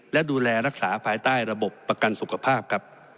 และดูแลรักษาภายใต้ระบบประกันสุขภาพครับ